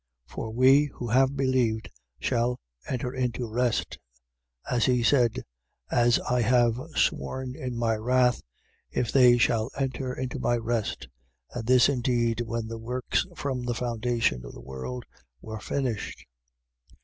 4:3. For we, who have believed, shall enter into rest; as he said: As I have sworn in my wrath: If they shall enter into my rest; and this indeed when the works from the foundation of the world were finished.